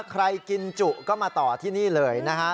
ใครกินจุก็มาต่อที่นี่เลยนะฮะ